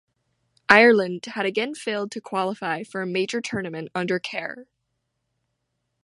Ireland had again failed to qualify for a major tournament under Kerr.